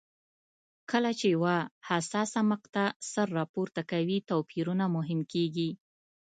کله چې یوه حساسه مقطعه سر راپورته کوي توپیرونه مهم کېږي.